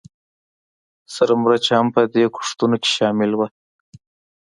سره مرچ هم په دې کښتونو کې شامل وو